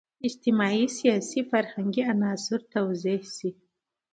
اجتماعي، سیاسي، فرهنګي عناصر توضیح شي.